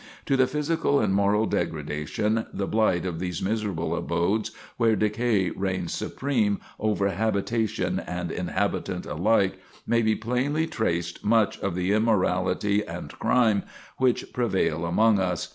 To the physical and moral degradation, the blight of these miserable abodes, where decay reigns supreme over habitation and inhabitant alike, may be plainly traced much of the immorality and crime which prevail among us.